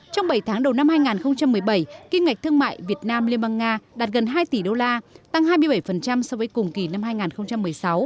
trong bảy tháng đầu năm hai nghìn một mươi bảy kinh ngạch thương mại việt nam liên bang nga đạt gần hai tỷ đô la tăng hai mươi bảy so với cùng kỳ năm hai nghìn một mươi sáu